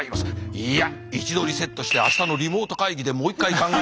「いや一度リセットして明日のリモート会議でもう一回考え」。